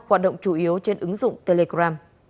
hoạt động chủ yếu trên ứng dụng telegram